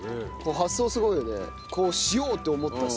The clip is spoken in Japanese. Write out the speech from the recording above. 発想すごいよねこうしよう！って思ったさ。